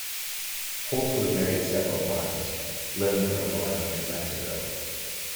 Holt was married several times, living for a while in Mexico.